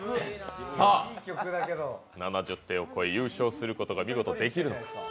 さあ、７０点を超え見事優勝することができるのか。